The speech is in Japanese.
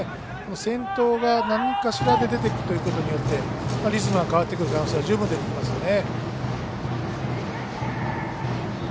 先頭が、なんかしらで出ていくということによってリズムは変わってくる可能性は十分出てきますよね。